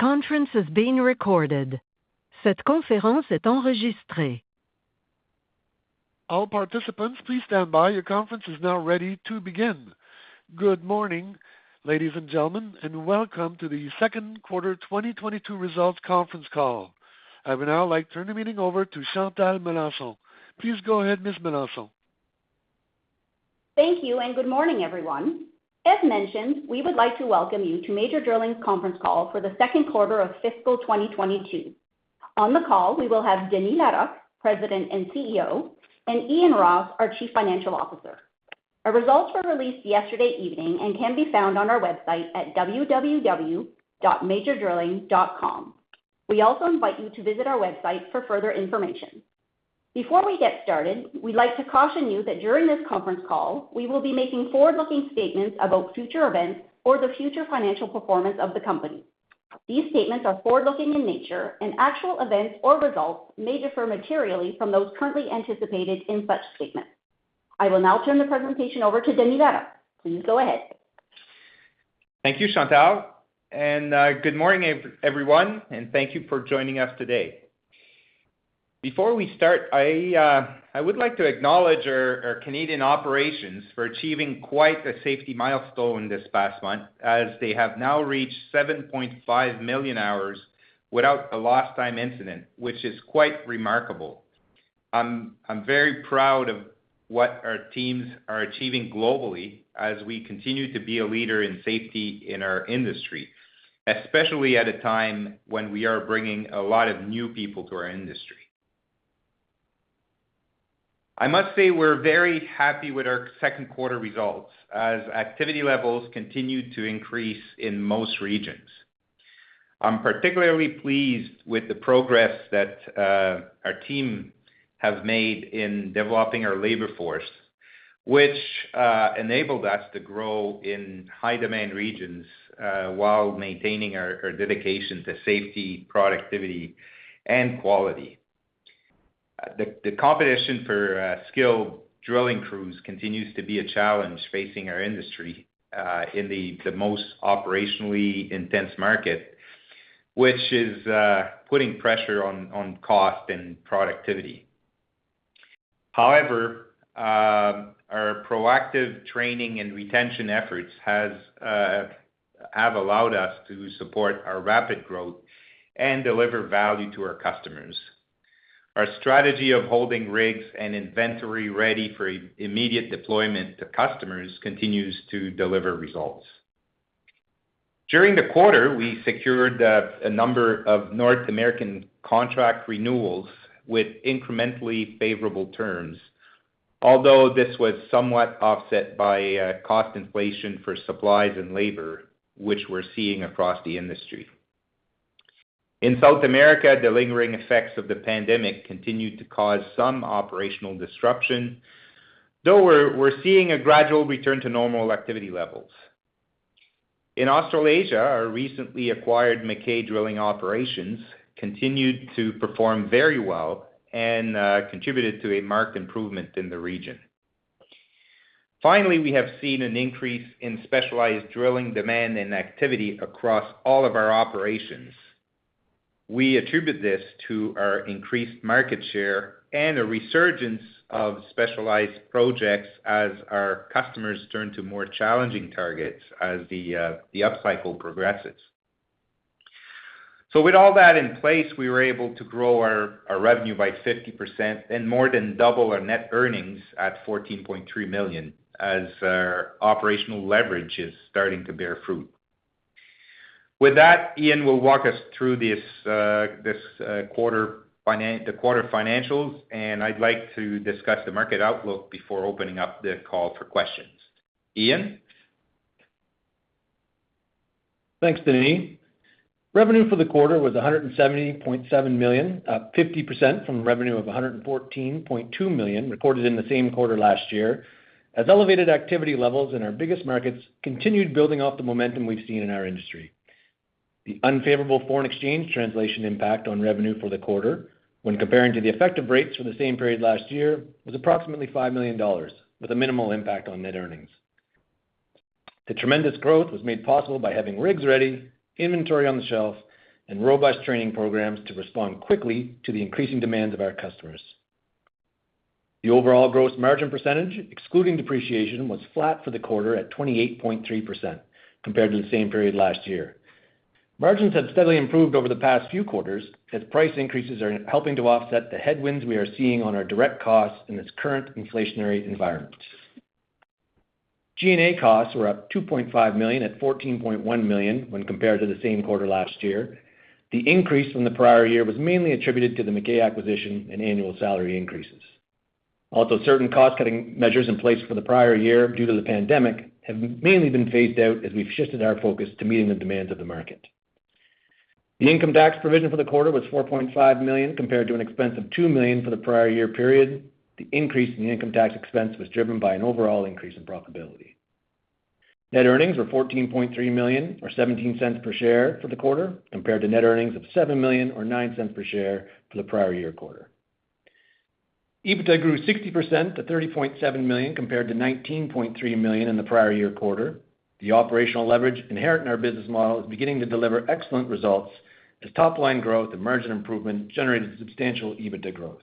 Good morning, ladies and gentlemen, and welcome to the second quarter 2022 results conference call. I would now like to turn the meeting over to Chantal Melanson. Please go ahead, Ms. Melanson. Thank you and good morning, everyone. As mentioned, we would like to welcome you to Major Drilling's conference call for the second quarter of fiscal 2022. On the call, we will have Denis Larocque, President and CEO, and Ian Ross, our Chief Financial Officer. Our results were released yesterday evening and can be found on our website at www.majordrilling.com. We also invite you to visit our website for further information. Before we get started, we'd like to caution you that during this conference call, we will be making forward-looking statements about future events or the future financial performance of the company. These statements are forward-looking in nature, and actual events or results may differ materially from those currently anticipated in such statements. I will now turn the presentation over to Denis Larocque. Please go ahead. Thank you, Chantal, and good morning everyone, and thank you for joining us today. Before we start, I would like to acknowledge our Canadian operations for achieving quite a safety milestone this past month, as they have now reached 7.5 million hours without a lost time incident, which is quite remarkable. I'm very proud of what our teams are achieving globally as we continue to be a leader in safety in our industry, especially at a time when we are bringing a lot of new people to our industry. I must say, we're very happy with our second quarter results as activity levels continued to increase in most regions. I'm particularly pleased with the progress that, our team have made in developing our labor force, which, enabled us to grow in high demand regions, while maintaining our dedication to safety, productivity, and quality. The competition for, skilled drilling crews continues to be a challenge facing our industry, in the most operationally intense market, which is, putting pressure on, cost and productivity. However, our proactive training and retention efforts have allowed us to support our rapid growth and deliver value to our customers. Our strategy of holding rigs and inventory ready for immediate deployment to customers continues to deliver results. During the quarter, we secured a number of North American contract renewals with incrementally favorable terms. Although this was somewhat offset by, cost inflation for supplies and labor, which we're seeing across the industry. In South America, the lingering effects of the pandemic continued to cause some operational disruption, though we're seeing a gradual return to normal activity levels. In Australasia, our recently acquired McKay Drilling operations continued to perform very well and contributed to a marked improvement in the region. Finally, we have seen an increase in specialized drilling demand and activity across all of our operations. We attribute this to our increased market share and a resurgence of specialized projects as our customers turn to more challenging targets as the upcycle progresses. With all that in place, we were able to grow our revenue by 50% and more than double our net earnings at 14.3 million as our operational leverage is starting to bear fruit. With that, Ian will walk us through this quarter financials, and I'd like to discuss the market outlook before opening up the call for questions. Ian? Thanks, Denis. Revenue for the quarter was 170.7 million, up 50% from revenue of 114.2 million recorded in the same quarter last year, as elevated activity levels in our biggest markets continued building off the momentum we've seen in our industry. The unfavorable foreign exchange translation impact on revenue for the quarter when comparing to the effective rates for the same period last year was approximately 5 million dollars with a minimal impact on net earnings. The tremendous growth was made possible by having rigs ready, inventory on the shelf, and robust training programs to respond quickly to the increasing demands of our customers. The overall gross margin percentage, excluding depreciation, was flat for the quarter at 28.3% compared to the same period last year. Margins have steadily improved over the past few quarters as price increases are helping to offset the headwinds we are seeing on our direct costs in this current inflationary environment. G&A costs were up 2.5 million at 14.1 million when compared to the same quarter last year. The increase from the prior year was mainly attributed to the McKay acquisition and annual salary increases. Also, certain cost-cutting measures in place for the prior year due to the pandemic have mainly been phased out as we've shifted our focus to meeting the demands of the market. The income tax provision for the quarter was 4.5 million compared to an expense of 2 million for the prior year period. The increase in the income tax expense was driven by an overall increase in profitability. Net earnings were 14.3 million or 0.17 per share for the quarter, compared to net earnings of 7 million or 0.09 per share for the prior year quarter. EBITDA grew 60% to 30.7 million compared to 19.3 million in the prior year quarter. The operational leverage inherent in our business model is beginning to deliver excellent results as top line growth and margin improvement generated substantial EBITDA growth.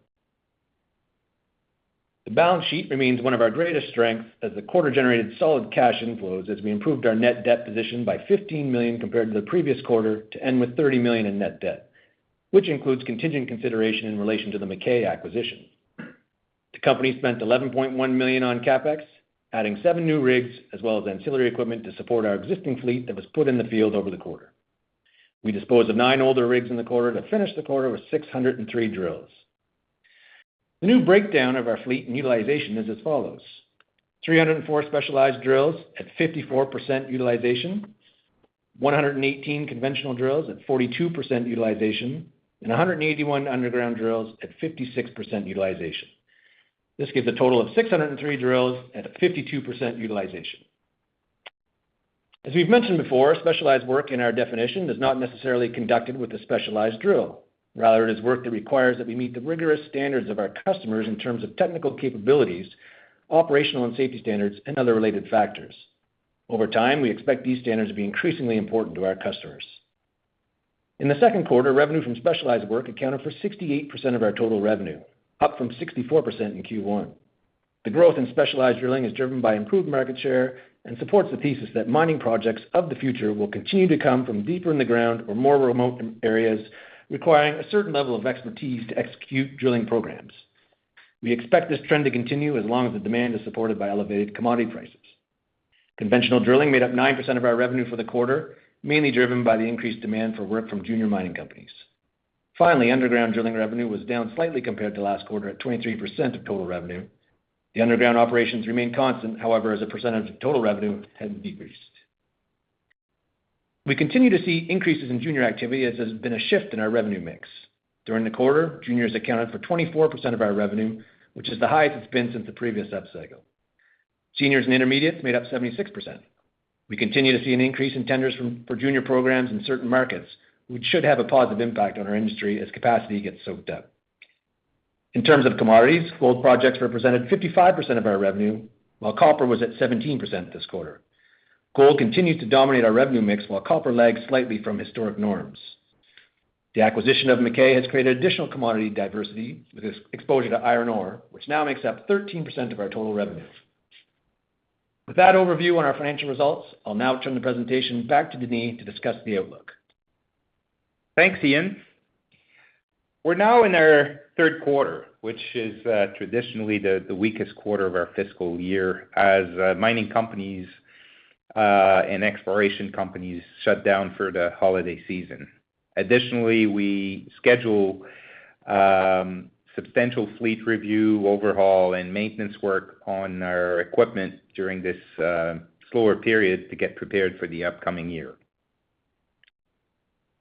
The balance sheet remains one of our greatest strengths as the quarter generated solid cash inflows as we improved our net debt position by 15 million compared to the previous quarter to end with 30 million in net debt, which includes contingent consideration in relation to the McKay acquisition. The company spent 11.1 million on CapEx, adding seven new rigs as well as ancillary equipment to support our existing fleet that was put in the field over the quarter. We disposed of nine older rigs in the quarter to finish the quarter with 603 drills. The new breakdown of our fleet and utilization is as follows. 304 specialized drills at 54% utilization, 118 conventional drills at 42% utilization, and 181 underground drills at 56% utilization. This gives a total of 603 drills at a 52% utilization. As we've mentioned before, specialized work in our definition is not necessarily conducted with a specialized drill. Rather, it is work that requires that we meet the rigorous standards of our customers in terms of technical capabilities, operational and safety standards, and other related factors. Over time, we expect these standards to be increasingly important to our customers. In the second quarter, revenue from specialized work accounted for 68% of our total revenue, up from 64% in Q1. The growth in specialized drilling is driven by improved market share and supports the thesis that mining projects of the future will continue to come from deeper in the ground or more remote areas, requiring a certain level of expertise to execute drilling programs. We expect this trend to continue as long as the demand is supported by elevated commodity prices. Conventional drilling made up 9% of our revenue for the quarter, mainly driven by the increased demand for work from junior mining companies. Finally, underground drilling revenue was down slightly compared to last quarter at 23% of total revenue. The underground operations remain constant, however, as a percentage of total revenue has decreased. We continue to see increases in junior activity as there's been a shift in our revenue mix. During the quarter, juniors accounted for 24% of our revenue, which is the highest it's been since the previous upcycle. Seniors and intermediates made up 76%. We continue to see an increase in tenders for junior programs in certain markets, which should have a positive impact on our industry as capacity gets soaked up. In terms of commodities, gold projects represented 55% of our revenue, while copper was at 17% this quarter. Gold continues to dominate our revenue mix while copper lags slightly from historic norms. The acquisition of McKay has created additional commodity diversity with exposure to iron ore, which now makes up 13% of our total revenue. With that overview on our financial results, I'll now turn the presentation back to Denis to discuss the outlook. Thanks, Ian. We're now in our third quarter, which is traditionally the weakest quarter of our fiscal year as mining companies and exploration companies shut down for the holiday season. Additionally, we schedule substantial fleet review, overhaul, and maintenance work on our equipment during this slower period to get prepared for the upcoming year.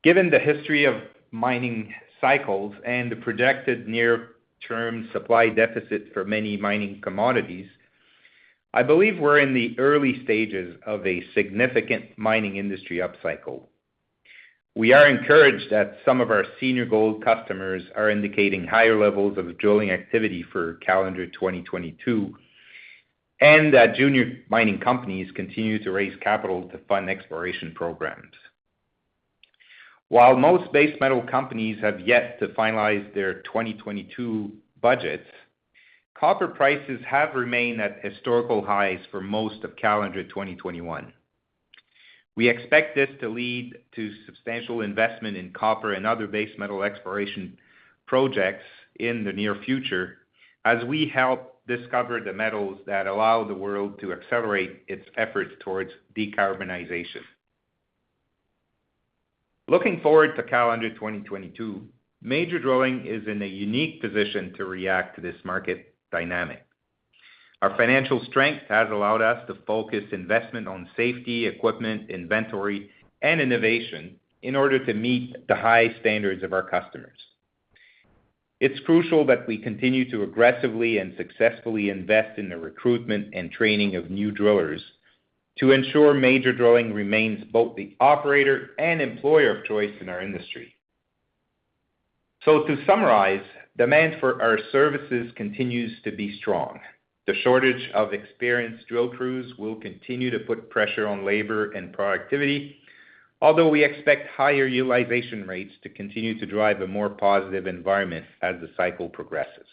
Given the history of mining cycles and the projected near-term supply deficit for many mining commodities, I believe we're in the early stages of a significant mining industry upcycle. We are encouraged that some of our senior gold customers are indicating higher levels of drilling activity for calendar 2022, and that junior mining companies continue to raise capital to fund exploration programs. While most base metal companies have yet to finalize their 2022 budgets, copper prices have remained at historical highs for most of calendar 2021. We expect this to lead to substantial investment in copper and other base metal exploration projects in the near future as we help discover the metals that allow the world to accelerate its efforts towards decarbonization. Looking forward to calendar 2022, Major Drilling is in a unique position to react to this market dynamic. Our financial strength has allowed us to focus investment on safety, equipment, inventory, and innovation in order to meet the high standards of our customers. It's crucial that we continue to aggressively and successfully invest in the recruitment and training of new drillers to ensure Major Drilling remains both the operator and employer of choice in our industry. To summarize, demand for our services continues to be strong. The shortage of experienced drill crews will continue to put pressure on labor and productivity, although we expect higher utilization rates to continue to drive a more positive environment as the cycle progresses.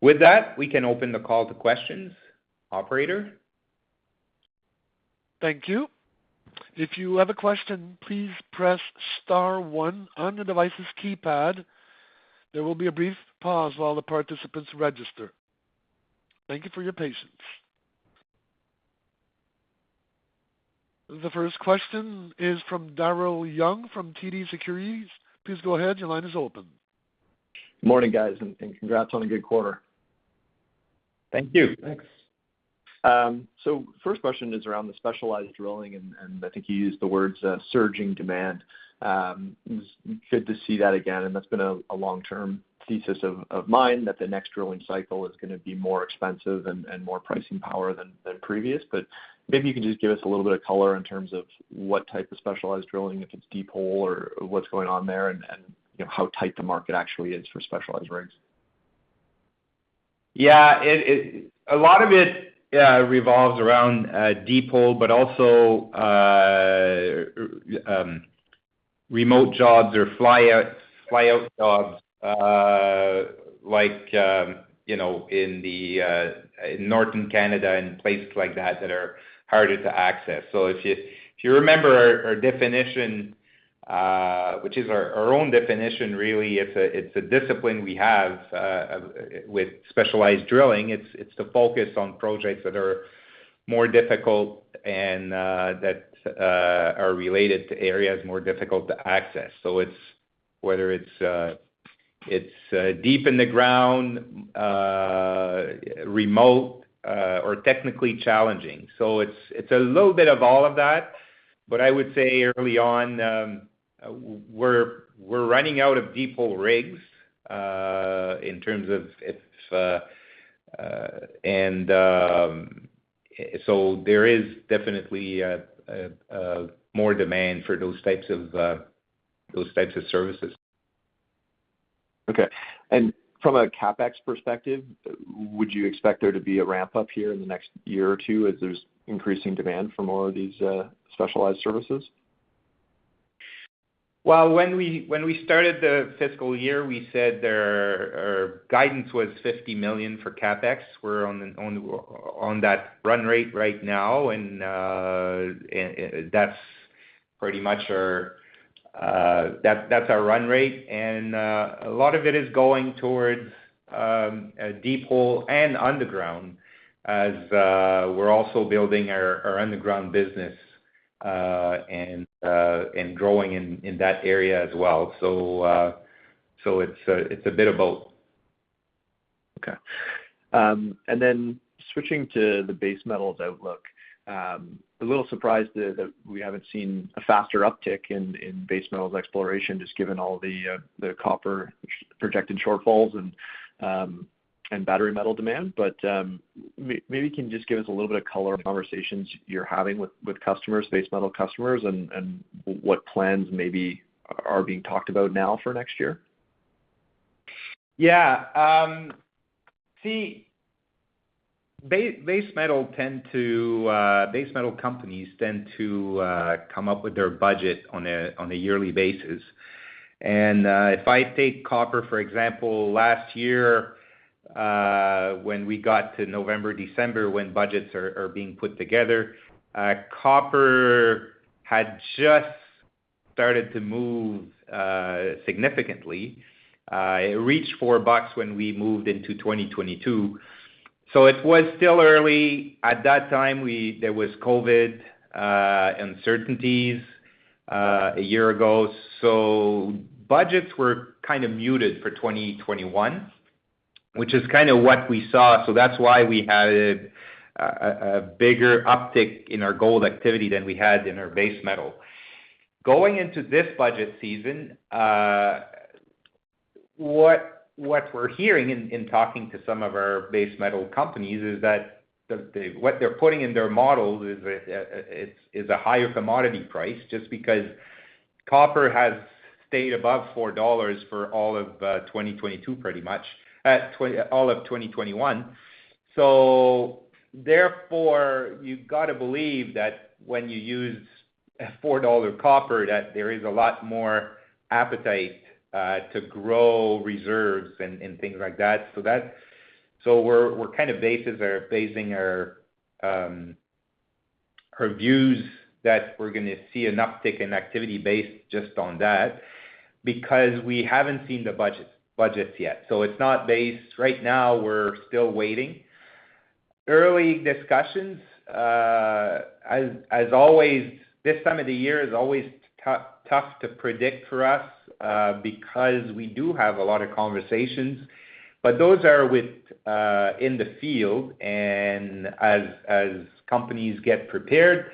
With that, we can open the call to questions. Operator? The first question is from Daryl Young from TD Securities. Please go ahead. Your line is open. Morning, guys, and congrats on a good quarter. Thank you. Thanks. First question is around the specialized drilling, and I think you used the words, surging demand. It was good to see that again, and that's been a long-term thesis of mine, that the next drilling cycle is gonna be more expensive and more pricing power than previous. Maybe you can just give us a little bit of color in terms of what type of specialized drilling, if it's deep hole or what's going on there and, you know, how tight the market actually is for specialized rigs. Yeah. A lot of it revolves around deep hole, but also remote jobs or fly-out jobs, like you know in northern Canada and places like that that are harder to access. If you remember our definition, which is our own definition really, it's a discipline we have with specialized drilling. It's the focus on projects that are more difficult and that are related to areas more difficult to access. It's whether it's deep in the ground, remote, or technically challenging. It's a little bit of all of that. I would say early on, we're running out of deep hole rigs in terms of if. There is definitely more demand for those types of services. Okay. From a CapEx perspective, would you expect there to be a ramp-up here in the next year or two as there's increasing demand for more of these, specialized services? Well, when we started the fiscal year, we said our guidance was 50 million for CapEx. We're on that run rate right now. That's pretty much our run rate. A lot of it is going towards deep hole and underground as we're also building our underground business and growing in that area as well. It's a bit of both. Okay. Switching to the base metals outlook. I'm a little surprised that we haven't seen a faster uptick in base metals exploration, just given all the copper projected shortfalls and battery metals demand. Maybe you can just give us a little bit of color on conversations you're having with customers, base metals customers, and what plans maybe are being talked about now for next year. Yeah. See, base metal companies tend to come up with their budget on a yearly basis. If I take copper, for example, last year, when we got to November, December, when budgets are being put together, copper had just started to move significantly. It reached 4 bucks when we moved into 2022. It was still early. At that time, there was COVID uncertainties a year ago, so budgets were kind of muted for 2021, which is kind of what we saw. That's why we had a bigger uptick in our gold activity than we had in our base metal. Going into this budget season, what we're hearing in talking to some of our base metal companies is that what they're putting in their models is a higher commodity price, just because copper has stayed above 4 dollars for all of 2021, pretty much. Therefore, you've got to believe that when you use a 4 dollar copper, that there is a lot more appetite to grow reserves and things like that. We're kind of basing our views that we're gonna see an uptick in activity based just on that, because we haven't seen the budgets yet. It's not based. Right now, we're still waiting. Early discussions, as always, this time of the year is always tough to predict for us, because we do have a lot of conversations. Those are within the field and as companies get prepared.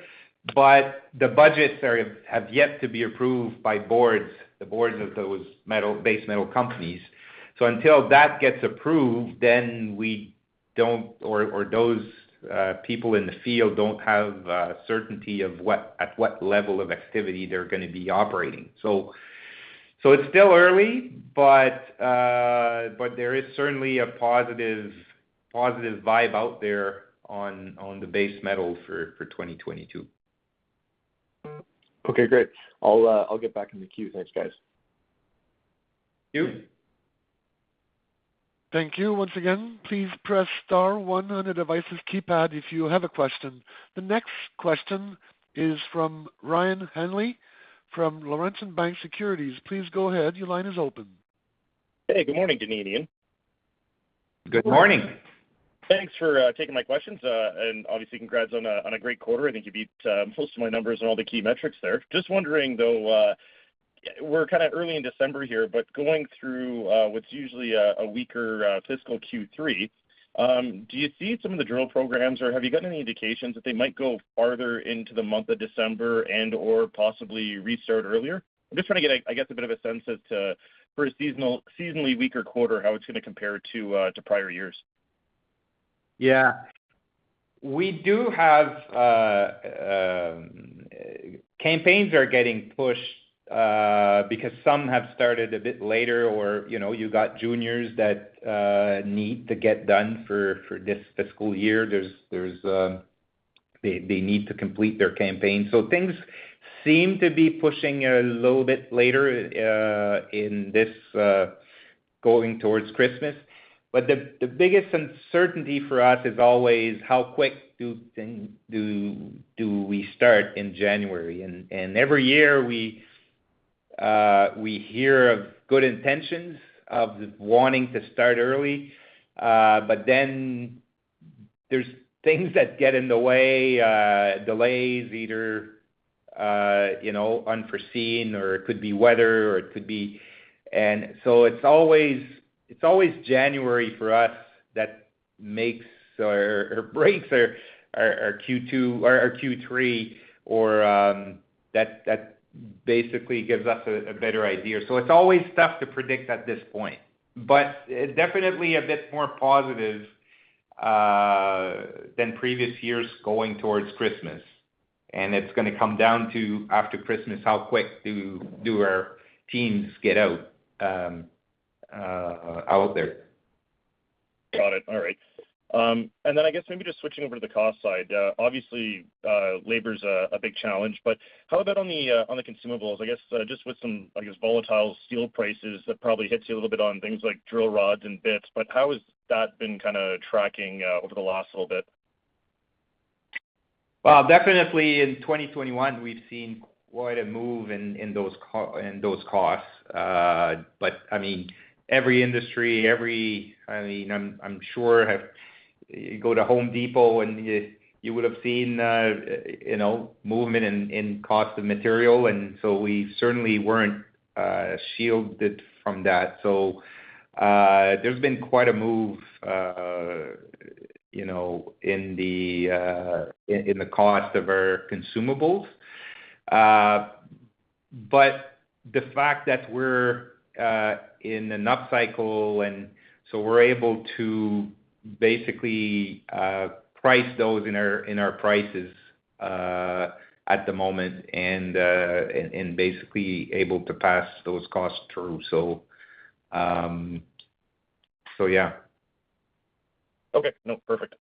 The budgets have yet to be approved by the boards of those base metal companies. Until that gets approved, then we don't or those people in the field don't have certainty of at what level of activity they're gonna be operating. It's still early, but there is certainly a positive vibe out there on the base metal for 2022. Okay, great. I'll get back in the queue. Thanks, guys. Thank you. Thank you. Once again, please press star one on the device's keypad if you have a question. The next question is from Ryan Hanley, from Laurentian Bank Securities. Please go ahead. Your line is open. Hey, good morning, Denis and Ian. Good morning. Thanks for taking my questions. Obviously congrats on a great quarter. I think you beat most of my numbers on all the key metrics there. Just wondering, though, yeah, we're kind of early in December here, but going through what's usually a weaker fiscal Q3, do you see some of the drill programs, or have you got any indications that they might go farther into the month of December and/or possibly restart earlier? I'm just trying to get, I guess, a bit of a sense as to, for a seasonally weaker quarter, how it's gonna compare to prior years. We do have. Campaigns are getting pushed because some have started a bit later or, you know, you got juniors that need to get done for this fiscal year. They need to complete their campaign. Things seem to be pushing a little bit later in this going towards Christmas. The biggest uncertainty for us is always how quick do we start in January. Every year we hear of good intentions of wanting to start early, but then there's things that get in the way, delays either, you know, unforeseen, or it could be weather, or it could be. It's always January for us that makes or breaks our Q2 or our Q3 or that basically gives us a better idea. It's always tough to predict at this point. Definitely a bit more positive than previous years going towards Christmas. It's gonna come down to, after Christmas, how quick do our teams get out there. Got it. All right. I guess maybe just switching over to the cost side. Obviously, labor's a big challenge, but how about on the consumables? I guess, just with some, I guess, volatile steel prices, that probably hits you a little bit on things like drill rods and bits, but how has that been kinda tracking over the last little bit? Well, definitely in 2021, we've seen quite a move in those costs. I mean, every industry, I mean, I'm sure have. You go to Home Depot and you would have seen, you know, movement in cost of material. We certainly weren't shielded from that. There's been quite a move, you know, in the cost of our consumables. The fact that we're in an up cycle and so we're able to basically price those in our prices at the moment and basically able to pass those costs through. Yeah. Okay. No, perfect.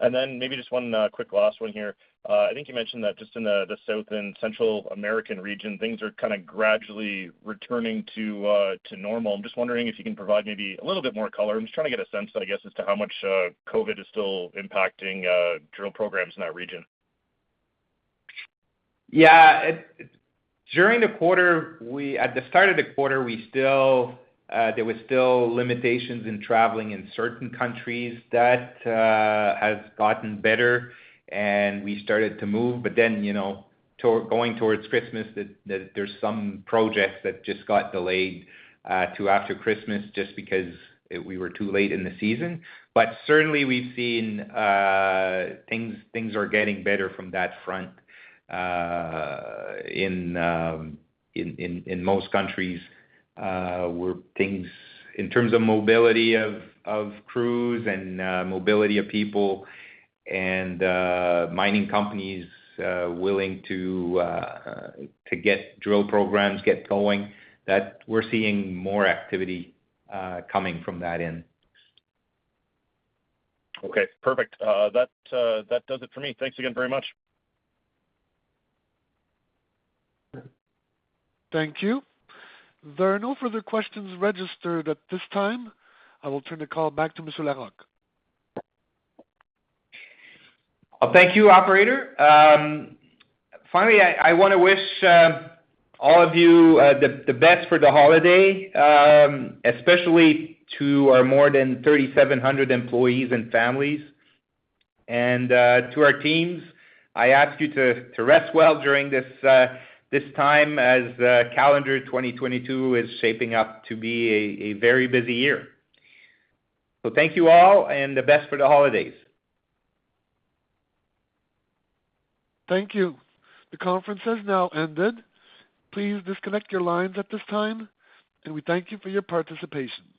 Then maybe just one quick last one here. I think you mentioned that just in the South and Central American region, things are kinda gradually returning to normal. I'm just wondering if you can provide maybe a little bit more color. I'm just trying to get a sense, I guess, as to how much COVID is still impacting drill programs in that region. During the quarter, at the start of the quarter, there was still limitations in traveling in certain countries. That has gotten better, and we started to move. You know, going towards Christmas, there's some projects that just got delayed to after Christmas just because we were too late in the season. Certainly we've seen things are getting better from that front in most countries where, in terms of mobility of crews and mobility of people and mining companies willing to get drill programs going, that we're seeing more activity coming from that end. Okay, perfect. That does it for me. Thanks again very much. Thank you. There are no further questions registered at this time. I will turn the call back to Monsieur Larocque. Thank you, operator. Finally, I wanna wish all of you the best for the holiday, especially to our more than 3,700 employees and families. To our teams, I ask you to rest well during this time as calendar 2022 is shaping up to be a very busy year. Thank you all, and the best for the holidays. Thank you. The conference has now ended. Please disconnect your lines at this time, and we thank you for your participation.